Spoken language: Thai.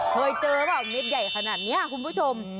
เคยเจอเปล่าเม็ดใหญ่ขนาดนี้คุณผู้ชม